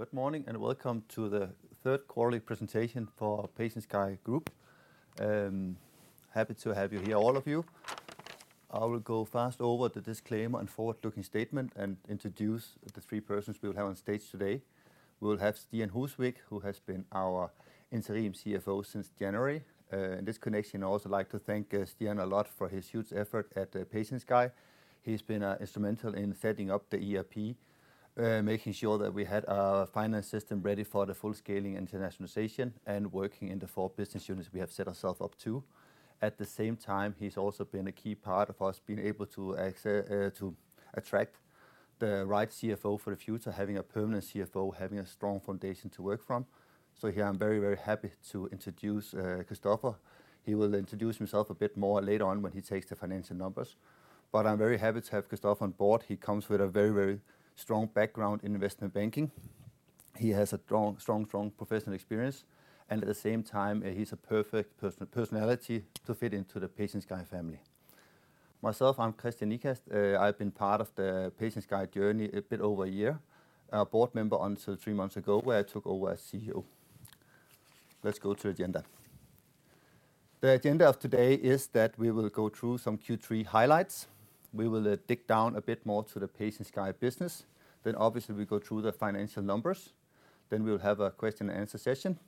Good morning, and welcome to the Third Quarterly Presentation for PatientSky Group. Happy to have you here, all of you. I will go fast over the disclaimer and forward-looking statement and introduce the three persons we'll have on stage today. We'll have Stian Husvaeg, who has been our interim CFO since January. In this connection, I'd also like to thank Stian a lot for his huge effort at PatientSky. He's been instrumental in setting up the ERP, making sure that we had our finance system ready for the full scaling internationalization and working in the four business units we have set ourself up to. At the same time, he's also been a key part of us being able to attract the right CFO for the future, having a permanent CFO, having a strong foundation to work from. Here I'm very happy to introduce Christoffer. He will introduce himself a bit more later on when he takes the financial numbers. I'm very happy to have Christoffer on board. He comes with a very strong background in investment banking. He has a strong professional experience, and at the same time, he's a perfect personality to fit into the PatientSky family. Myself, I'm Kristian Ikast. I've been part of the PatientSky journey a bit over a year. I was a board member until three months ago, where I took over as CEO. Let's go to agenda. The agenda of today is that we will go through some Q3 highlights. We will dig down a bit more to the PatientSky business. Obviously we go through the financial numbers. We'll have a question and answer session,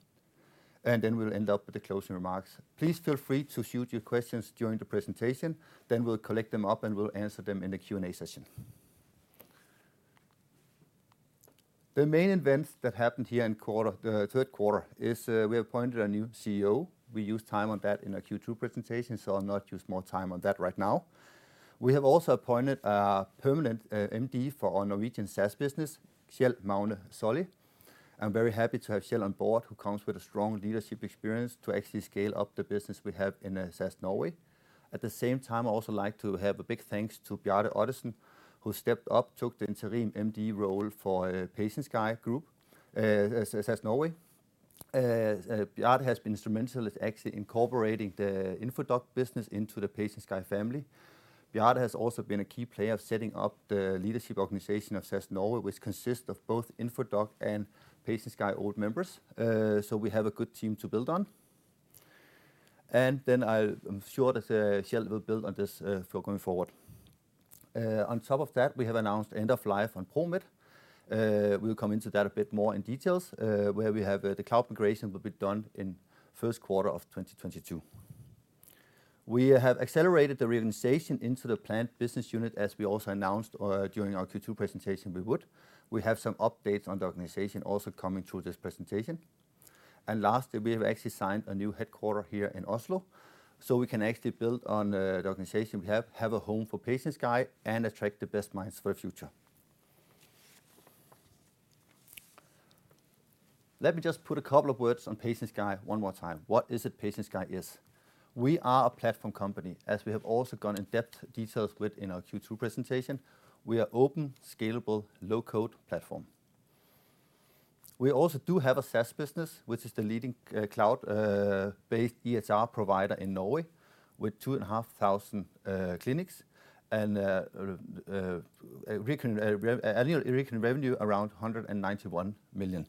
and then we'll end up with the closing remarks. Please feel free to shoot your questions during the presentation, then we'll collect them up, and we'll answer them in the Q&A session. The main events that happened here in the third quarter is, we appointed a new CEO. We used time on that in our Q2 presentation, so I'll not use more time on that right now. We have also appointed a permanent MD for our Norwegian SaaS business, Kjell Magne Solli. I'm very happy to have Kjell on board, who comes with a strong leadership experience to actually scale up the business we have in SaaS Norway. At the same time, I also like to have a big thanks to Bjarte Ottesen, who stepped up, took the interim MD role for PatientSky Group SaaS Norway. Bjarke has been instrumental with actually incorporating the Infodoc business into the PatientSky family. Bjarke has also been a key player of setting up the leadership organization of SaaS Norway, which consists of both Infodoc and PatientSky old members. So we have a good team to build on. Then I'm sure that Kjell will build on this for going forward. On top of that, we have announced end of life on ProMed. We'll come into that a bit more in details, where we have the cloud migration will be done in first quarter of 2022. We have accelerated the reorganization into the planned business unit, as we also announced during our Q2 presentation we would. We have some updates on the organization also coming through this presentation. Lastly, we have actually signed a new headquarters here in Oslo, so we can actually build on the organization we have a home for PatientSky and attract the best minds for the future. Let me just put a couple of words on PatientSky one more time. What is it PatientSky is? We are a platform company, as we have also gone in depth details with in our Q2 presentation. We are open, scalable, low-code platform. We also do have a SaaS business, which is the leading cloud-based EHR provider in Norway with 2,500 clinics and annual recurring revenue around 191 million.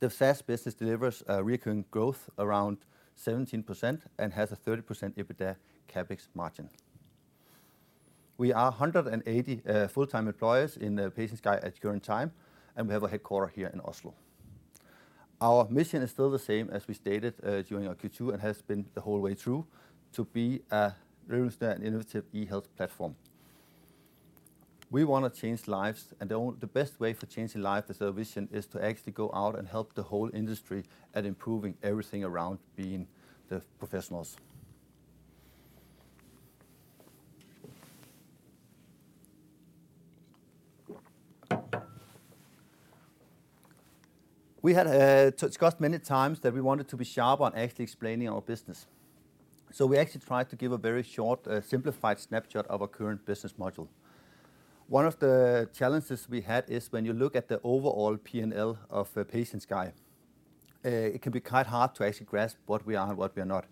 The SaaS business delivers a recurring growth around 17% and has a 30% EBITDA CapEx margin. We are 180 full-time employees in PatientSky at current time, and we have a headquarters here in Oslo. Our mission is still the same as we stated during our Q2 and has been the whole way through, to be a revolutionary and innovative e-health platform. We wanna change lives, and the best way for changing life as our vision is to actually go out and help the whole industry at improving everything around being the professionals. We had discussed many times that we wanted to be sharp on actually explaining our business. We actually tried to give a very short, simplified snapshot of our current business model. One of the challenges we had is when you look at the overall P&L of PatientSky, it can be quite hard to actually grasp what we are and what we are not.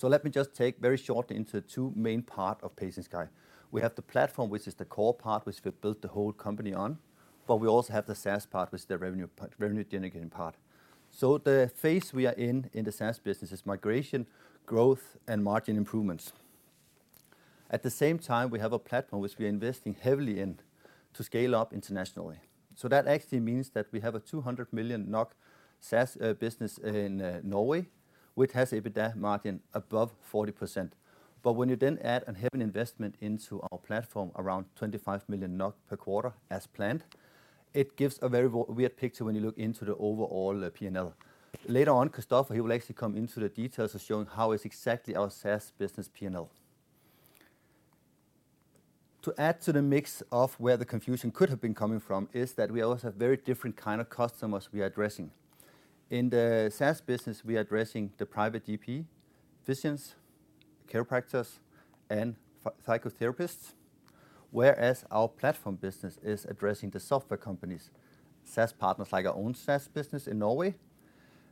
Let me just take very shortly into two main part of PatientSky. We have the platform, which is the core part which we built the whole company on, but we also have the SaaS part, which is the revenue part, revenue-generating part. The phase we are in in the SaaS business is migration, growth, and margin improvements. At the same time, we have a platform which we are investing heavily in to scale up internationally. That actually means that we have a 200 million NOK SaaS business in Norway, which has EBITDA margin above 40%. When you then add a heavy investment into our platform, around 25 million NOK per quarter as planned, it gives a very weird picture when you look into the overall P&L. Later on, Christoffer, he will actually come into the details of showing how is exactly our SaaS business P&L. To add to the mix of where the confusion could have been coming from is that we also have very different kind of customers we are addressing. In the SaaS business, we are addressing the private GP, physicians, chiropractors, and psychotherapists, whereas our platform business is addressing the software companies, SaaS partners like our own SaaS business in Norway,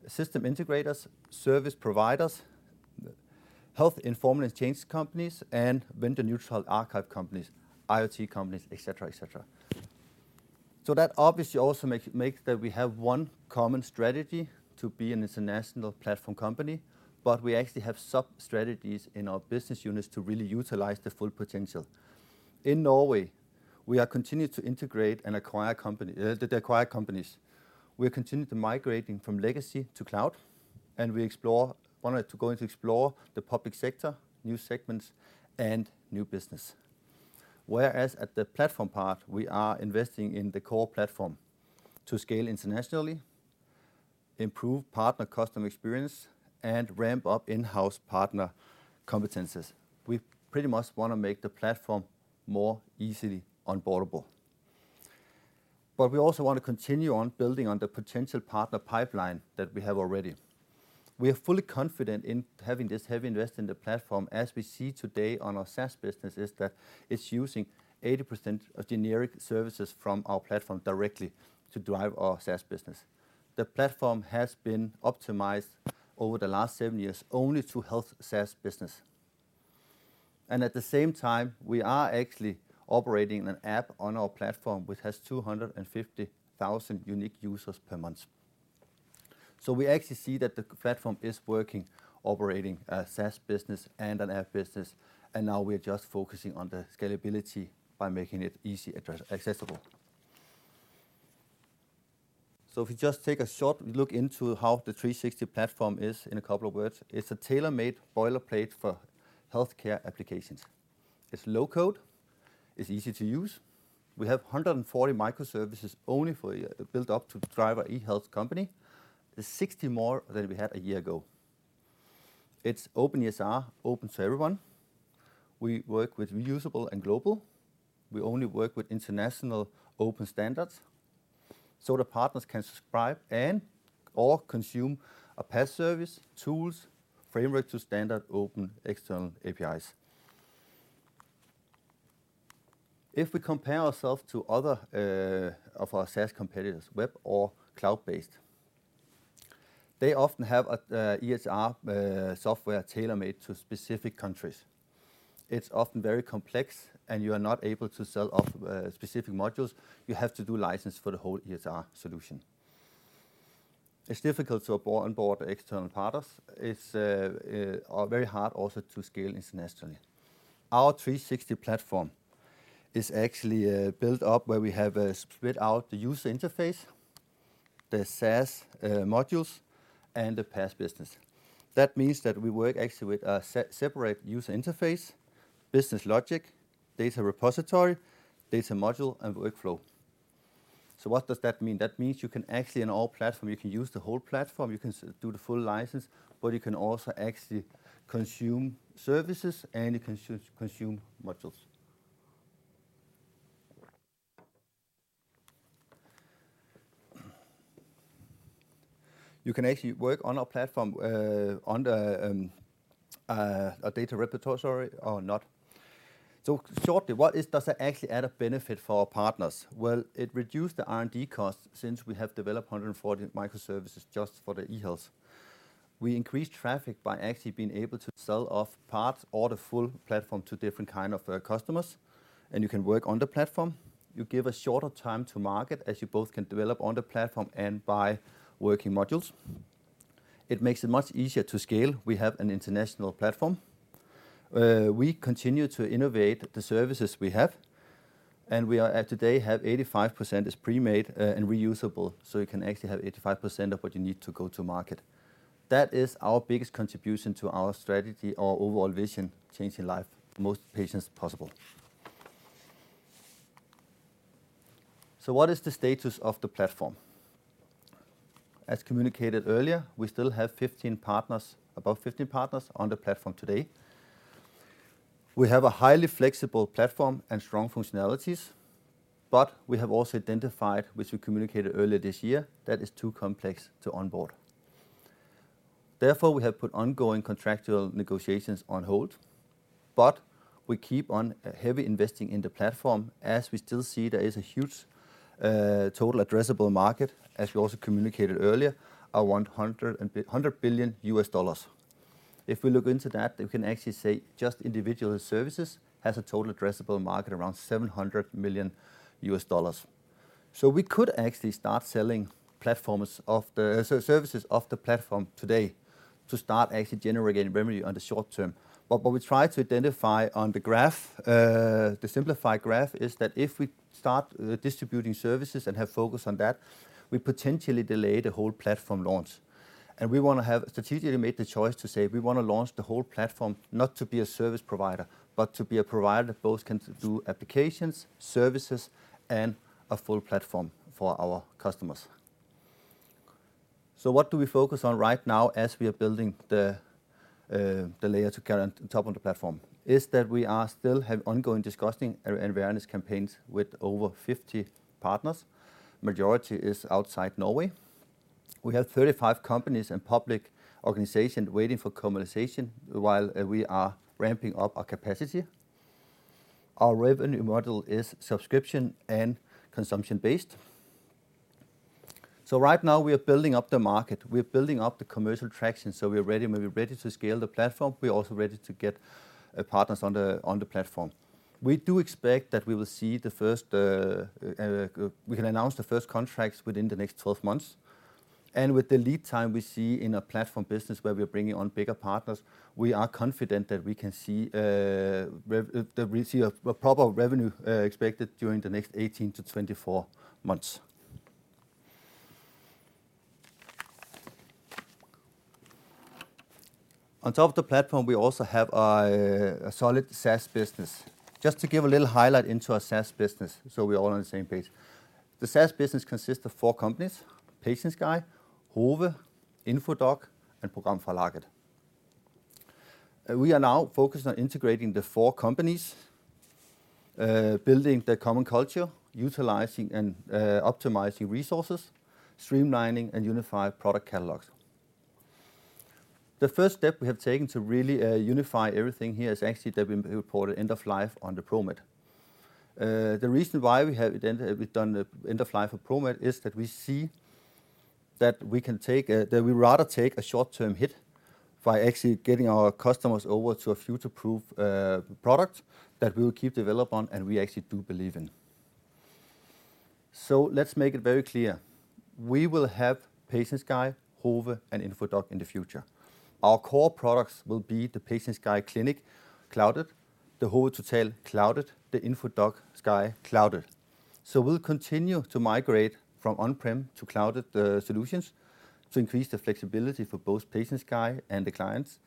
system integrators, service providers. Health information exchange companies and vendor neutral archive companies, IoT companies, et cetera, et cetera. That obviously also makes that we have one common strategy to be an international platform company, but we actually have sub-strategies in our business units to really utilize the full potential. In Norway, we are continuing to integrate and acquire companies, the acquired companies. We are continuing to migrate from legacy to cloud, and we want to explore the public sector, new segments and new business. Whereas at the platform part, we are investing in the core platform to scale internationally, improve partner customer experience, and ramp up in-house partner competencies. We pretty much wanna make the platform more easily onboardable. We also want to continue building on the potential partner pipeline that we have already. We are fully confident in having this heavy investment in the platform as we see today in our SaaS business, is that it's using 80% of generic services from our platform directly to drive our SaaS business. The platform has been optimized over the last seven years only to health SaaS business. At the same time, we are actually operating an app on our platform which has 250,000 unique users per month. We actually see that the platform is working, operating a SaaS business and an app business, and now we're just focusing on the scalability by making it easily accessible. If you just take a short look into how the 360 Platform is in a couple of words. It's a tailor-made boilerplate for healthcare applications. It's low-code, it's easy to use. We have 140 microservices only for built up to drive our e-health company. There's 60 more than we had a year ago. It's openEHR, open to everyone. We work with reusable and global. We only work with international open standards, so the partners can subscribe and/or consume a PaaS service, tools, framework to standard open external APIs. If we compare ourselves to other of our SaaS competitors, web or cloud-based, they often have a EHR software tailor-made to specific countries. It's often very complex, and you are not able to sell off specific modules, you have to do license for the whole EHR solution. It's difficult to onboard external partners. It's very hard also to scale internationally. Our 360 platform is actually built up where we have spread out the user interface, the SaaS modules, and the PaaS business. That means that we work actually with a separate user interface, business logic, data repository, data module and workflow. What does that mean? That means you can actually on our platform, you can use the whole platform, you can do the full license, but you can also actually consume services and you can consume modules. You can actually work on our platform on a data repository or not. Shortly, what does it actually add a benefit for our partners? Well, it reduced the R&D costs since we have developed 140 microservices just for the e-health. We increased traffic by actually being able to sell off parts or the full platform to different kind of customers, and you can work on the platform. You give a shorter time to market as you both can develop on the platform and by working modules. It makes it much easier to scale. We have an international platform. We continue to innovate the services we have, and we today have 85% is pre-made and reusable, so you can actually have 85% of what you need to go to market. That is our biggest contribution to our strategy, our overall vision, changing life for most patients possible. What is the status of the platform? As communicated earlier, we still have 15 partners, above 15 partners on the platform today. We have a highly flexible platform and strong functionalities, but we have also identified, which we communicated earlier this year, that it's too complex to onboard. Therefore, we have put ongoing contractual negotiations on hold, but we keep on heavy investing in the platform as we still see there is a huge total addressable market, as we also communicated earlier, around $100 billion. If we look into that, we can actually say just individual services has a total addressable market around $700 million. We could actually start selling services of the platform today to start actually generating revenue on the short term. What we try to identify on the graph, the simplified graph is that if we start distributing services and have focus on that, we potentially delay the whole platform launch. We wanna have strategically made the choice to say we wanna launch the whole platform not to be a service provider, but to be a provider that both can do applications, services, and a full platform for our customers. What do we focus on right now as we are building the top layer of the platform? We still have ongoing discussions and awareness campaigns with over 50 partners. Majority is outside Norway. We have 35 companies and public organization waiting for commercialization while we are ramping up our capacity. Our revenue model is subscription and consumption-based. Right now we are building up the market, we are building up the commercial traction, we're ready to scale the platform. We're also ready to get partners on the platform. We do expect that we can announce the first contracts within the next 12 months. With the lead time we see in a platform business where we're bringing on bigger partners, we are confident that we can see a proper revenue expected during the next 18-24 months. On top of the platform, we also have a solid SaaS business. Just to give a little highlight into our SaaS business, we're all on the same page. The SaaS business consists of four companies: PatientSky, Hove, Infodoc, and Programforlaget. We are now focused on integrating the four companies, building their common culture, utilizing and optimizing resources, streamlining and unify product catalogs. The first step we have taken to really unify everything here is actually that we reported end of life on the ProMed. The reason why we've done the end of life of ProMed is that we see that we rather take a short-term hit by actually getting our customers over to a future-proof product that we will keep develop on and we actually do believe in. Let's make it very clear. We will have PatientSky, Hove, and Infodoc in the future. Our core products will be the PatientSky Clinic cloud-based, the Hove Total cloud-based, the Infodoc Sky. We'll continue to migrate from on-prem to cloud solutions to increase the flexibility for both PatientSky and the clients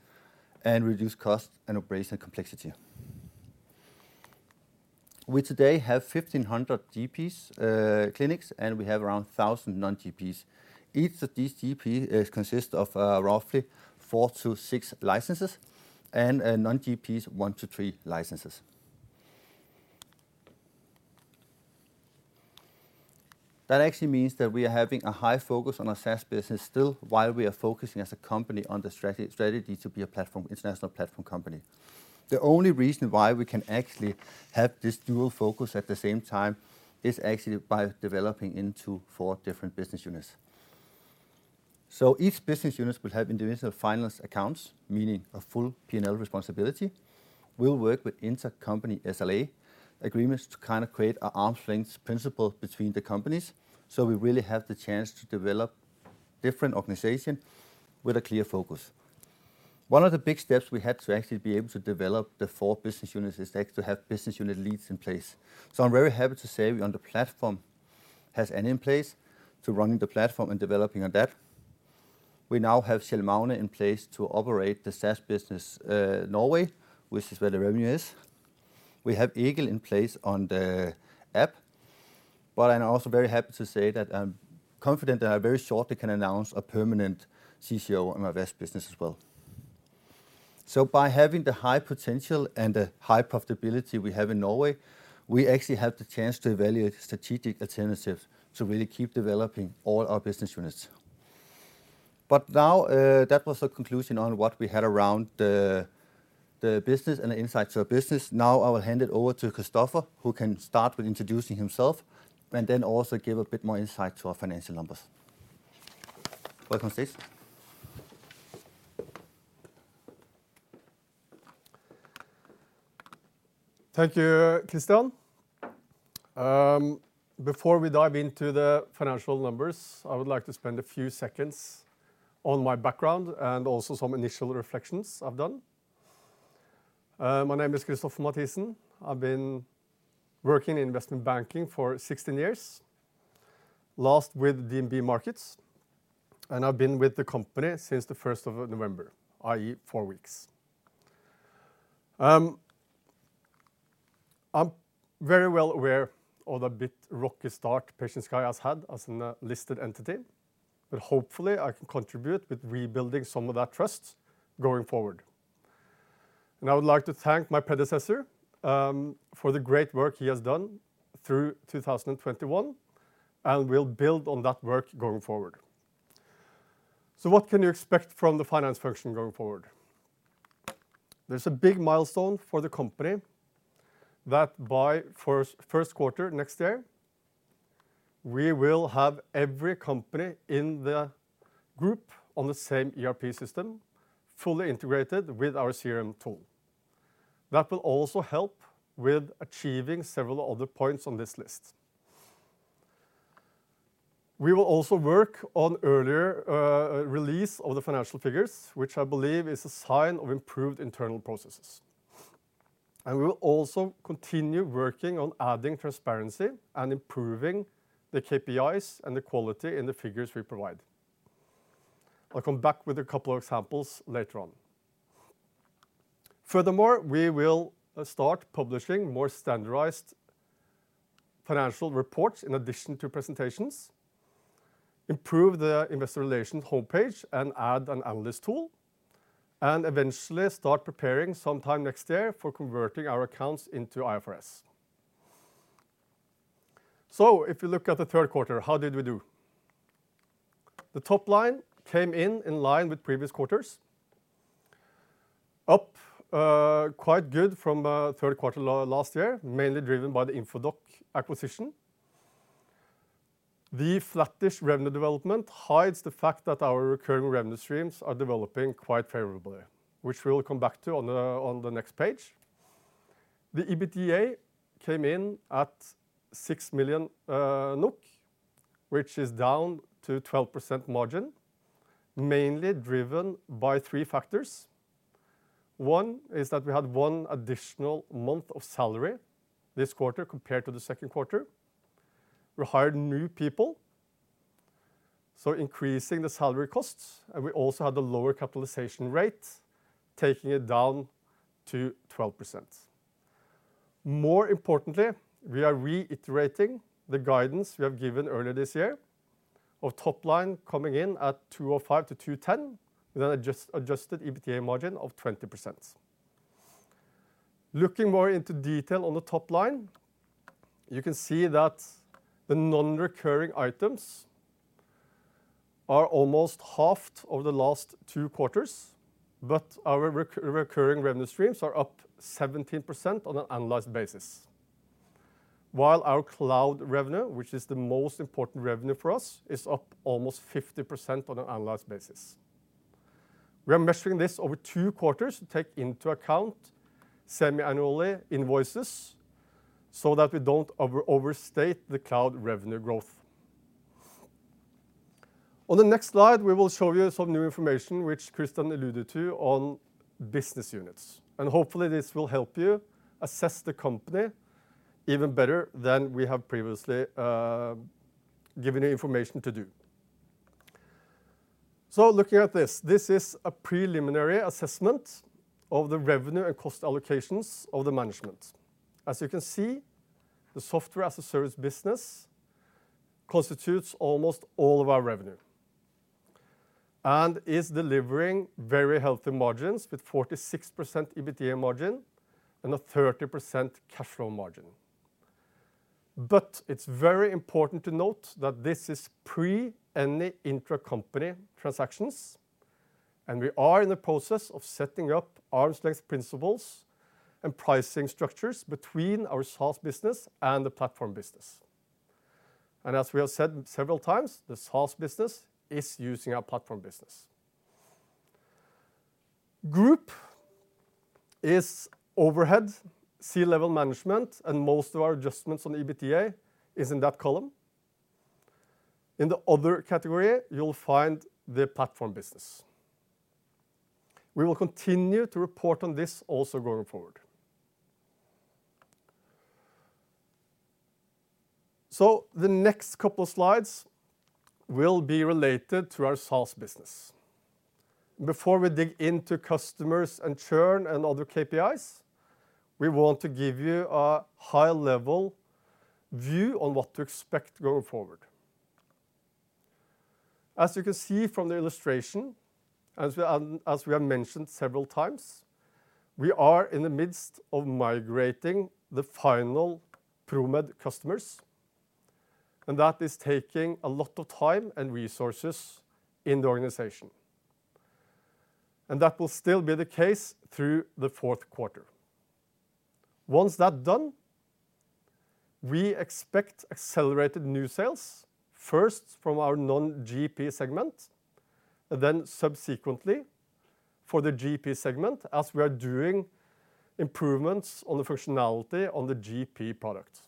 and reduce cost and operational complexity. We today have 1,500 GP clinics, and we have around 1,000 non-GPs. Each of these GPs consists of roughly four-six licenses and non-GPs, one-three licenses. That actually means that we are having a high focus on our SaaS business still, while we are focusing as a company on the strategy to be a platform, international platform company. The only reason why we can actually have this dual focus at the same time is actually by developing into four different business units. Each business units will have individual finance accounts, meaning a full P&L responsibility. We'll work with intercompany SLA agreements to kind of create an arm's length principle between the companies, so we really have the chance to develop different organization with a clear focus. One of the big steps we had to actually be able to develop the four business units is actually to have business unit leads in place. I'm very happy to say we on the platform has Anne in place to running the platform and developing on that. We now have Kjell Magne in place to operate the SaaS business, Norway, which is where the revenue is. We have Egil in place on the app. I'm also very happy to say that I'm confident that I very shortly can announce a permanent CCO on our Vest business as well. By having the high potential and the high profitability we have in Norway, we actually have the chance to evaluate strategic alternatives to really keep developing all our business units. Now, that was a conclusion on what we had around the business and the insight to our business. Now I will hand it over to Christoffer, who can start with introducing himself and then also give a bit more insight to our financial numbers. Welcome, Christoffer. Thank you, Kristian. Before we dive into the financial numbers, I would like to spend a few seconds on my background and also some initial reflections I've done. My name is Christoffer Mathiesen. I've been working in investment banking for 16 years, last with DNB Markets, and I've been with the company since the first of November, i.e., four weeks. I'm very well aware of a bit rocky start PatientSky has had as a listed entity, but hopefully I can contribute with rebuilding some of that trust going forward. I would like to thank my predecessor for the great work he has done through 2021, and we'll build on that work going forward. What can you expect from the finance function going forward? There's a big milestone for the company that by first quarter next year, we will have every company in the group on the same ERP system fully integrated with our CRM tool. That will also help with achieving several other points on this list. We will also work on earlier release of the financial figures, which I believe is a sign of improved internal processes. We will also continue working on adding transparency and improving the KPIs and the quality in the figures we provide. I'll come back with a couple of examples later on. Furthermore, we will start publishing more standardized financial reports in addition to presentations, improve the investor relations homepage, and add an analyst tool, and eventually start preparing sometime next year for converting our accounts into IFRS. If you look at the third quarter, how did we do? The top line came in in line with previous quarters. Up quite good from third quarter last year, mainly driven by the Infodoc acquisition. The flattish revenue development hides the fact that our recurring revenue streams are developing quite favorably, which we'll come back to on the next page. The EBITDA came in at 6 million NOK, which is down to 12% margin, mainly driven by three factors. One is that we had one additional month of salary this quarter compared to the second quarter. We hired new people, so increasing the salary costs, and we also had the lower capitalization rate, taking it down to 12%. More importantly, we are reiterating the guidance we have given earlier this year of top line coming in at 205 million-210 million with an adjusted EBITDA margin of 20%. Looking more into detail on the top line, you can see that the non-recurring items are almost half of the last two quarters, but our recurring revenue streams are up 17% on an annualized basis. While our cloud revenue, which is the most important revenue for us, is up almost 50% on an annualized basis. We are measuring this over two quarters to take into account semi-annually invoices so that we don't overstate the cloud revenue growth. On the next slide, we will show you some new information which Kristian alluded to on business units. Hopefully, this will help you assess the company even better than we have previously given you information to do. Looking at this is a preliminary assessment of the revenue and cost allocations by the management. As you can see, the software as a service business constitutes almost all of our revenue and is delivering very healthy margins with 46% EBITDA margin and a 30% cash flow margin. It's very important to note that this is pre any intracompany transactions, and we are in the process of setting up arm's length principles and pricing structures between our SaaS business and the platform business. As we have said several times, the SaaS business is using our platform business. Group is overhead, C-level management, and most of our adjustments on EBITDA is in that column. In the other category, you'll find the platform business. We will continue to report on this also going forward. The next couple of slides will be related to our SaaS business. Before we dig into customers and churn and other KPIs, we want to give you a high-level view on what to expect going forward. As you can see from the illustration, as we have mentioned several times, we are in the midst of migrating the final ProMed customers, and that is taking a lot of time and resources in the organization. That will still be the case through the fourth quarter. Once that done, we expect accelerated new sales, first from our non-GP segment, then subsequently for the GP segment, as we are doing improvements on the functionality on the GP products.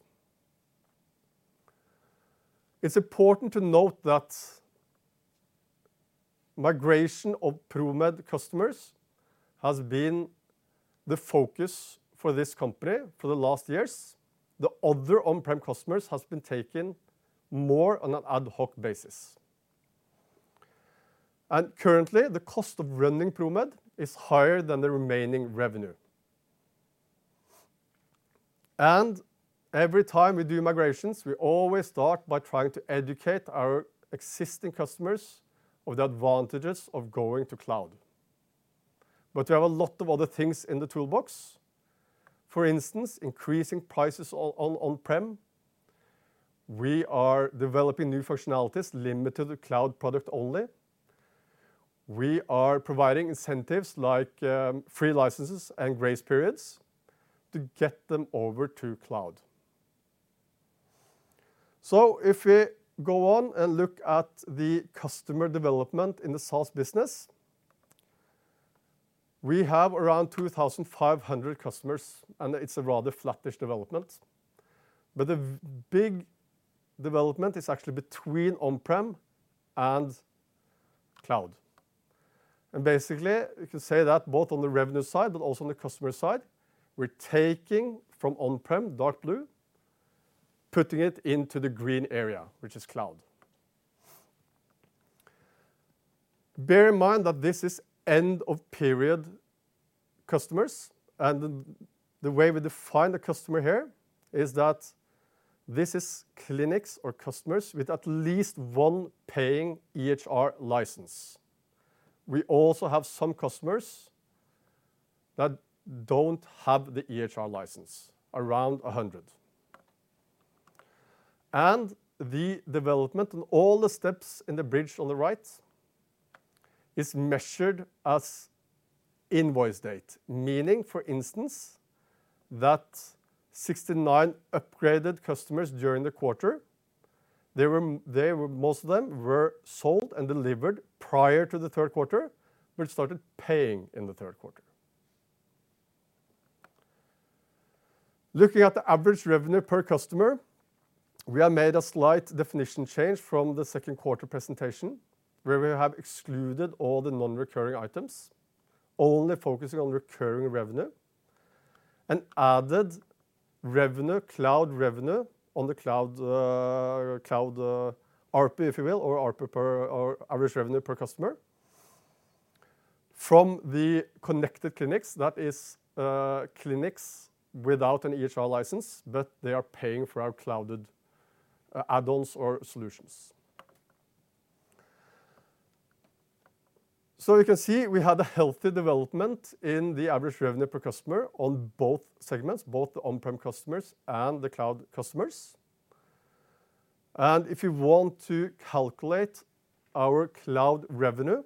It's important to note that migration of ProMed customers has been the focus for this company for the last years. The other on-prem customers has been taken more on an ad hoc basis. Currently, the cost of running ProMed is higher than the remaining revenue. Every time we do migrations, we always start by trying to educate our existing customers of the advantages of going to cloud. We have a lot of other things in the toolbox. For instance, increasing prices on on-prem. We are developing new functionalities limited to cloud product only. We are providing incentives like free licenses and grace periods to get them over to cloud. If we go on and look at the customer development in the SaaS business, we have around 2,500 customers, and it's a rather flattish development. The big development is actually between on-prem and cloud. Basically, you can say that both on the revenue side, but also on the customer side, we're taking from on-prem, dark blue, putting it into the green area, which is cloud. Bear in mind that this is end of period customers, and the way we define the customer here is that this is clinics or customers with at least one paying EHR license. We also have some customers that don't have the EHR license, around 100. The development and all the steps in the bridge on the right is measured as invoice date, meaning, for instance, that 69 upgraded customers during the quarter, most of them were sold and delivered prior to the third quarter, but started paying in the third quarter. Looking at the average revenue per customer, we have made a slight definition change from the second quarter presentation, where we have excluded all the non-recurring items, only focusing on recurring revenue, and added revenue, cloud revenue on the cloud, RP, if you will, or average revenue per customer from the connected clinics, that is, clinics without an EHR license, but they are paying for our cloud add-ons or solutions. You can see we had a healthy development in the average revenue per customer on both segments, both the on-prem customers and the cloud customers. If you want to calculate our cloud revenue,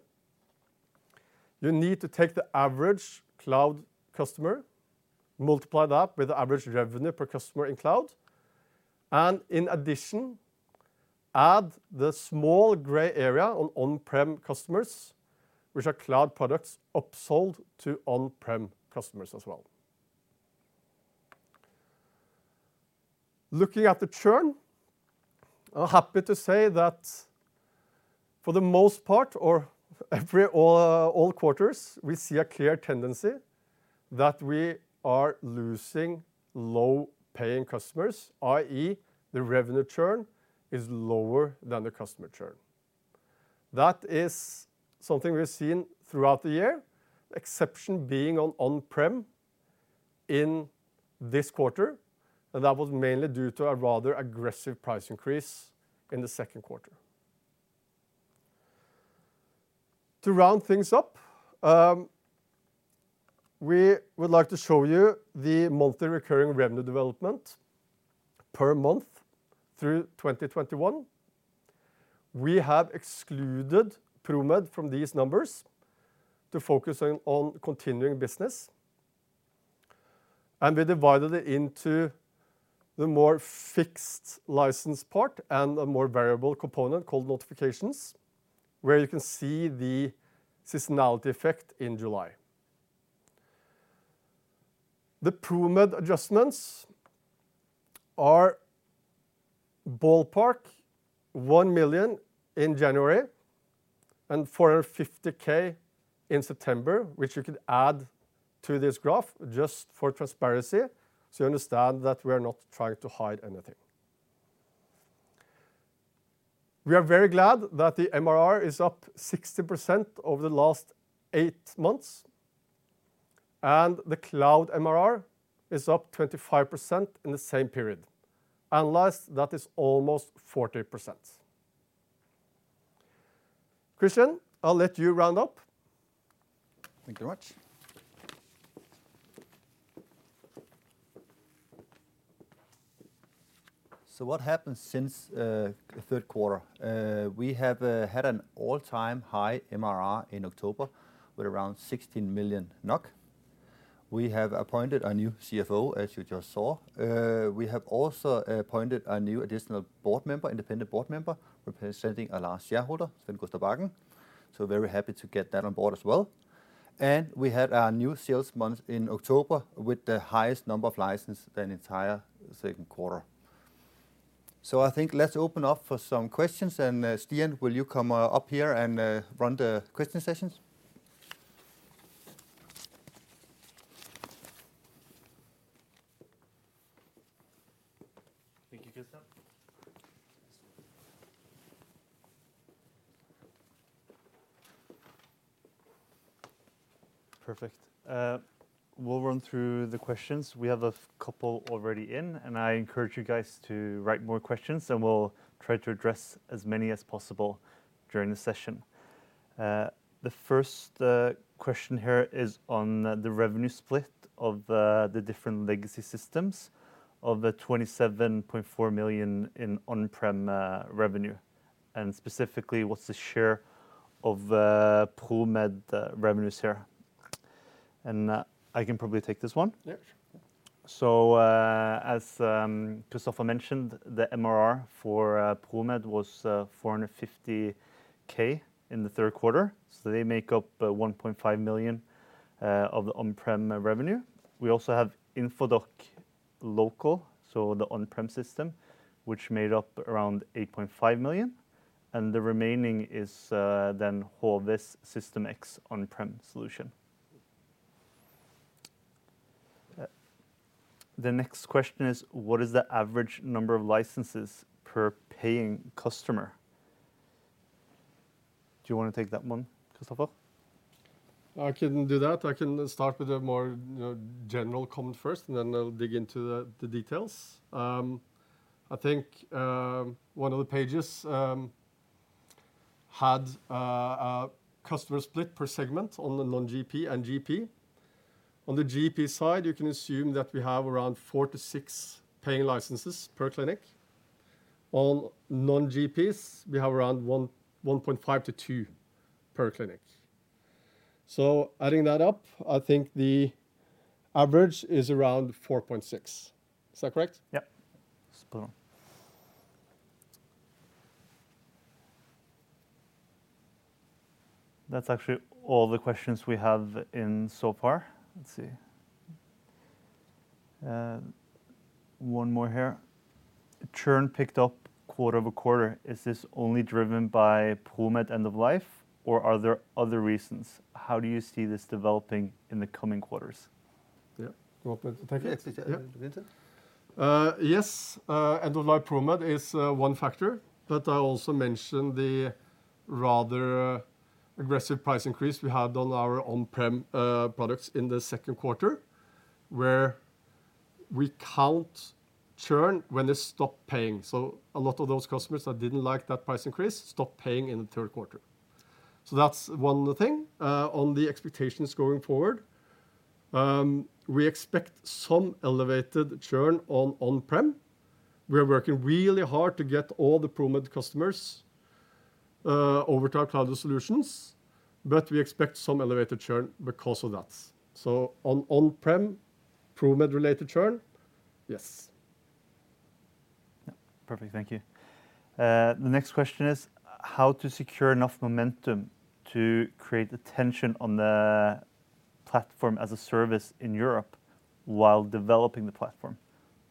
you need to take the average cloud customer, multiply that with the average revenue per customer in cloud, and in addition, add the small gray area on on-prem customers, which are cloud products upsold to on-prem customers as well. Looking at the churn, I'm happy to say that for the most part or every all quarters, we see a clear tendency that we are losing low-paying customers, i.e., the revenue churn is lower than the customer churn. That is something we've seen throughout the year, exception being on on-prem in this quarter, and that was mainly due to a rather aggressive price increase in the second quarter. To round things up, we would like to show you the monthly recurring revenue development per month through 2021. We have excluded ProMed from these numbers to focus on continuing business. We divided it into the more fixed license part and a more variable component called notifications, where you can see the seasonality effect in July. The ProMed adjustments are ballpark 1 million in January and 450K in September, which you can add to this graph just for transparency, so you understand that we're not trying to hide anything. We are very glad that the MRR is up 60% over the last 8 months, and the cloud MRR is up 25% in the same period. Unless that is almost 40%. Kristian, I'll let you round up. Thank you very much. What happened since the third quarter? We have had an all-time high MRR in October with around 16 million NOK. We have appointed a new CFO, as you just saw. We have also appointed a new additional board member, independent board member, representing a large shareholder, Sven Gustav Bakken. Very happy to get that on board as well. We had our new sales month in October with the highest number of license than entire second quarter. I think let's open up for some questions. Stian, will you come up here and run the question sessions? Thank you, Kristian. Perfect. We'll run through the questions. We have a couple already in, and I encourage you guys to write more questions, and we'll try to address as many as possible during the session. The first question here is on the revenue split of the different legacy systems of the 27.4 million in on-prem revenue. Specifically, what's the share of ProMed revenues here? I can probably take this one. Yeah, sure. As Kristoffer mentioned, the MRR for ProMed was 450K in the third quarter. They make up 1.5 million of the on-prem revenue. We also have Infodoc Plenario, so the on-prem system, which made up around 8.5 million. The remaining is then Hove's System X on-prem solution. The next question is, what is the average number of licenses per paying customer? Do you wanna take that one, Christoffer? I can do that. I can start with a more, you know, general comment first, and then I'll dig into the details. I think one of the pages had a customer split per segment on the non-GP and GP. On the GP side, you can assume that we have around four-six paying licenses per clinic. On non-GPs, we have around 1.5%-2% per clinic. So adding that up, I think the average is around 4.6%. Is that correct? Yep. Spot on. That's actually all the questions we have in so far. Let's see. One more here. Churn picked up quarter-over-quarter. Is this only driven by ProMed end of life, or are there other reasons? How do you see this developing in the coming quarters? Yeah. You want me to take it? Yes, yes. You take it, Winter. Yes, end of life ProMed is one factor, but I also mentioned the rather aggressive price increase we had on our on-prem products in the second quarter, where we count churn when they stop paying. A lot of those customers that didn't like that price increase stopped paying in the third quarter. That's one thing. On the expectations going forward, we expect some elevated churn on on-prem. We are working really hard to get all the ProMed customers over to our cloud solutions, but we expect some elevated churn because of that. On on-prem, ProMed-related churn, yes. Yeah. Perfect. Thank you. The next question is, how to secure enough momentum to create the traction on the platform as a service in Europe while developing the platform?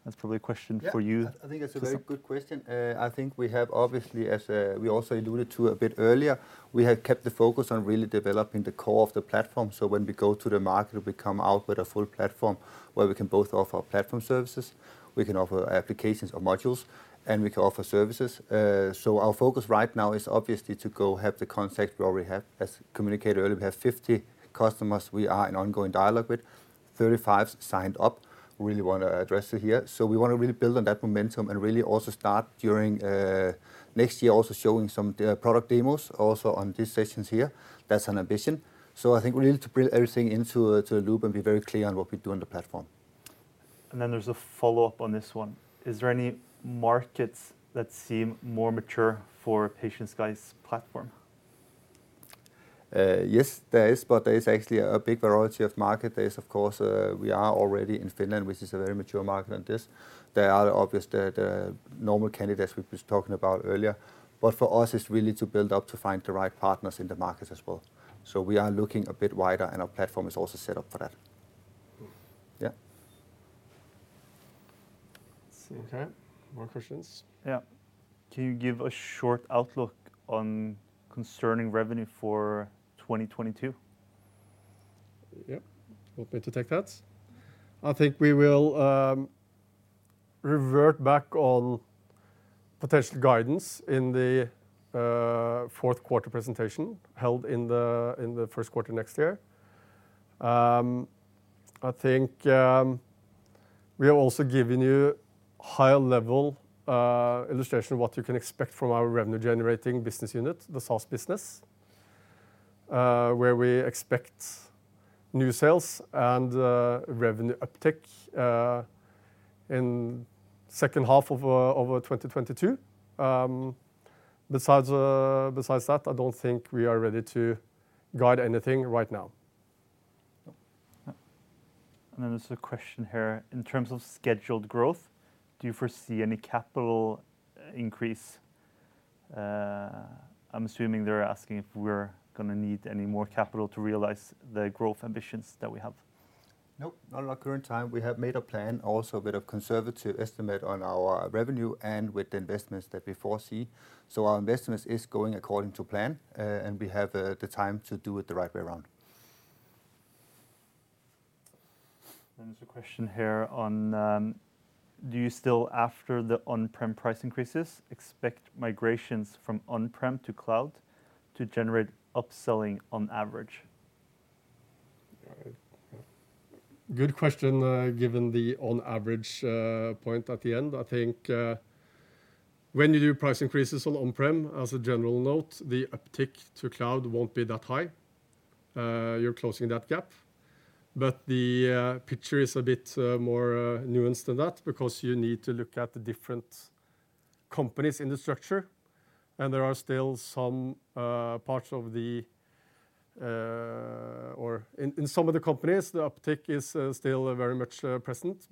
That's probably a question for you. Yeah. I think that's a very good question. I think we have obviously, as we also alluded to a bit earlier, we have kept the focus on really developing the core of the platform. When we go to the market, we come out with a full platform where we can both offer platform services, we can offer applications or modules, and we can offer services. Our focus right now is obviously to go have the context we already have. As communicated earlier, we have 50 customers we are in ongoing dialogue with, 35 signed up, really wanna address it here. We wanna really build on that momentum, and really also start during next year, also showing some product demos also on these sessions here. That's an ambition. I think we need to build everything to a loop and be very clear on what we do on the platform. There's a follow-up on this one. Is there any markets that seem more mature for PatientSky's platform? Yes, there is, but there actually is a big variety of market. There is, of course. We are already in Finland, which is a very mature market on this. There are obviously the normal candidates we've been talking about earlier. For us, it's really to build up to find the right partners in the market as well. We are looking a bit wider, and our platform is also set up for that. Yeah. More questions. Yeah. Can you give a short outlook concerning revenue for 2022? Yep. Want me to take that? I think we will revert back on potential guidance in the fourth quarter presentation held in the first quarter next year. I think we have also given you higher level illustration of what you can expect from our revenue generating business unit, the SaaS business, where we expect new sales and revenue uptick in second half of 2022. Besides that, I don't think we are ready to guide anything right now. Yeah. There's a question here, in terms of scheduled growth, do you foresee any capital increase? I'm assuming they're asking if we're gonna need any more capital to realize the growth ambitions that we have. Nope. Not at our current time. We have made a plan, also a bit of conservative estimate on our revenue and with the investments that we foresee. Our investments is going according to plan, and we have the time to do it the right way around. There's a question here on, do you still, after the on-prem price increases, expect migrations from on-prem to cloud to generate upselling on average? Good question, given the on average point at the end. I think when you do price increases on on-prem, as a general note, the uptick to cloud won't be that high. You're closing that gap. The picture is a bit more nuanced than that because you need to look at the different companies in the structure, and there are still some parts in some of the companies, the uptick is still very much present.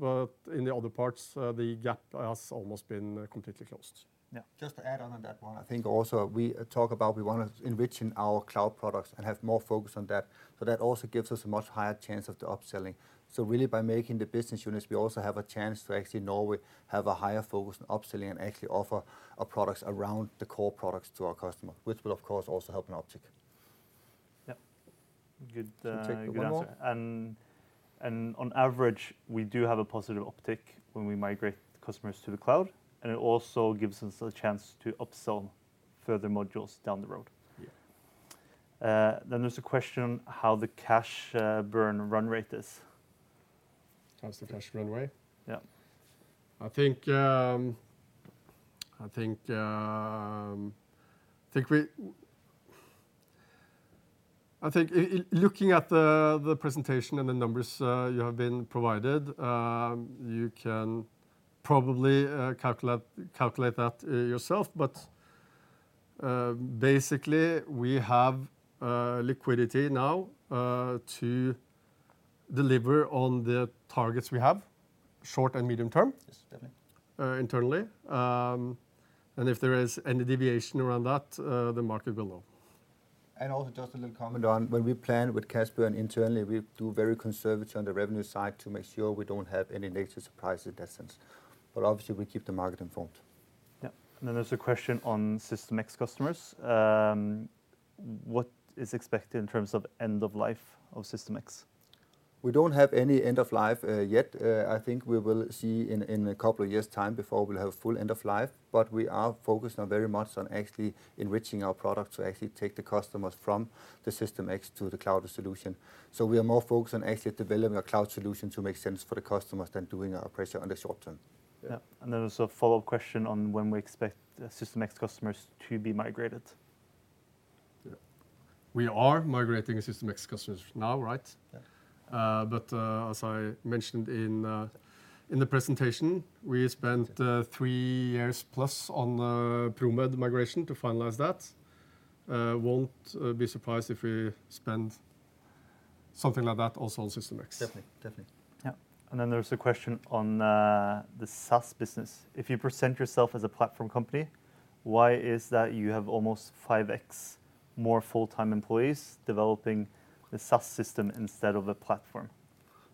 In the other parts, the gap has almost been completely closed. Yeah. Just to add on that one. I think also we talk about we wanna enriching our cloud products and have more focus on that, so that also gives us a much higher chance of the upselling. Really by making the business units, we also have a chance to actually now we have a higher focus on upselling and actually offer our products around the core products to our customer, which will of course also help in uptick. Yep. Good answer. Should take one more. On average, we do have a positive uptick when we migrate the customers to the cloud, and it also gives us a chance to upsell further modules down the road. Yeah. There's a question, how the cash burn run rate is? Times the cash runway. Yeah. I think looking at the presentation and the numbers you have been provided, you can probably calculate that yourself. Basically, we have liquidity now to deliver on the targets we have, short and medium term. Yes, definitely. Internally. If there is any deviation around that, the market will know. Also just a little comment on when we plan with Casper and internally, we do very conservative on the revenue side to make sure we don't have any negative surprise in that sense. Obviously, we keep the market informed. Yeah. There's a question on System X customers. What is expected in terms of end of life of System X? We don't have any end of life yet. I think we will see in a couple of years' time before we'll have full end of life. We are focused very much on actually enriching our product to actually take the customers from the System X to the cloud solution. We are more focused on actually developing a cloud solution to make sense for the customers than doing a pressure on the short term. Yeah. There's a follow-up question on when we expect System X customers to be migrated. Yeah. We are migrating System X customers now, right? Yeah. As I mentioned in the presentation, we spent three years plus on ProMed migration to finalize that. I won't be surprised if we spend something like that also on System X. Definitely. There's a question on the SaaS business. If you present yourself as a platform company, why is that you have almost 5x more full-time employees developing the SaaS system instead of a platform?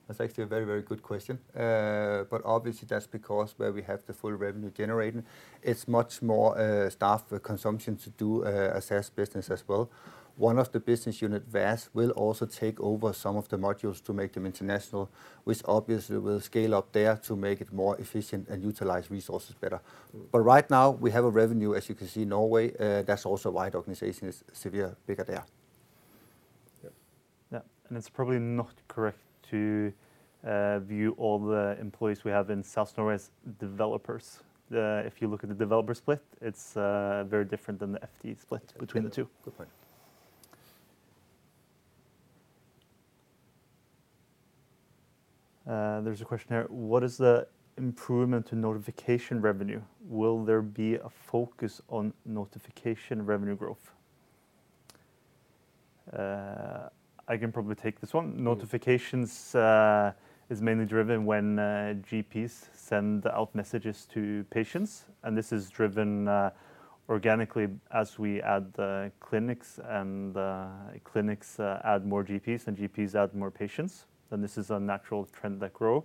That's actually a very, very good question. Obviously that's because where we have the full revenue generating, it's much more staff consumption to do a SaaS business as well. One of the business unit, VAS, will also take over some of the modules to make them international, which obviously will scale up there to make it more efficient and utilize resources better. Right now, we have a revenue, as you can see, Norway, that's also why the organization is severely bigger there. Yes. Yeah. It's probably not correct to view all the employees we have in SaaS Norway as developers. If you look at the developer split, it's very different than the FTE split between the two. Good point. There's a question here. What is the improvement in notification revenue? Will there be a focus on notification revenue growth? I can probably take this one. Notifications is mainly driven when GPs send out messages to patients, and this is driven organically as we add the clinics and clinics add more GPs and GPs add more patients, then this is a natural trend that grow.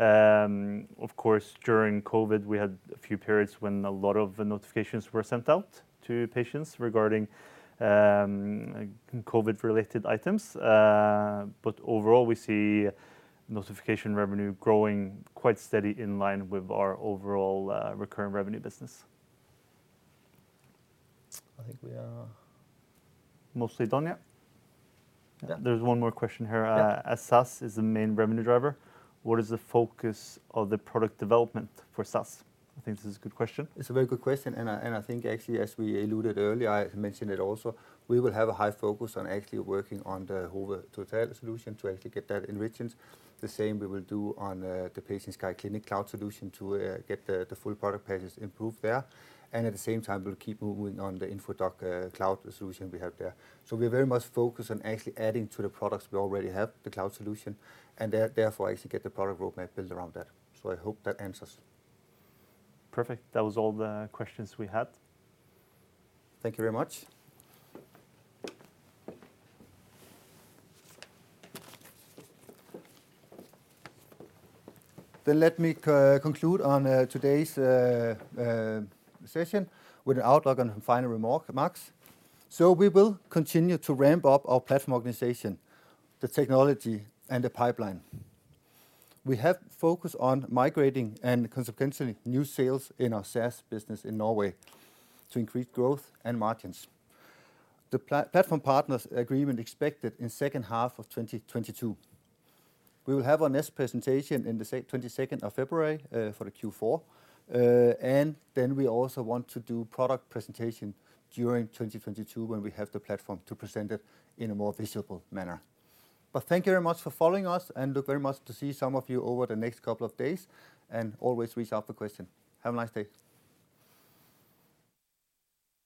Of course, during COVID, we had a few periods when a lot of the notifications were sent out to patients regarding COVID-related items. Overall, we see notification revenue growing quite steady in line with our overall recurring revenue business. I think we are mostly done. Yeah. There's one more question here. Yeah. As SaaS is the main revenue driver, what is the focus of the product development for SaaS? I think this is a good question. It's a very good question, and I think actually, as we alluded earlier, I mentioned it also, we will have a high focus on actually working on the whole total solution to actually get that enrichments. The same we will do on the PatientSky Clinic cloud solution to get the full product pages improved there. At the same time, we'll keep moving on the Infodoc cloud solution we have there. We very much focus on actually adding to the products we already have, the cloud solution, and therefore, actually get the product roadmap built around that. I hope that answers. Perfect. That was all the questions we had. Thank you very much. Let me conclude on today's session with an outlook and final remarks. We will continue to ramp up our platform organization, the technology and the pipeline. We have focus on migrating and consequently new sales in our SaaS business in Norway to increase growth and margins. The platform partners agreement expected in second half of 2022. We will have our next presentation in the 22nd of February for the Q4. We also want to do product presentation during 2022 when we have the platform to present it in a more visible manner. Thank you very much for following us and look very much to see some of you over the next couple of days and always reach out with question. Have a nice day.